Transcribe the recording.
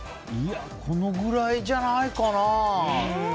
このぐらいじゃないかな。